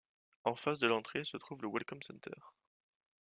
En face de l'entrée se trouve le Welcome Center.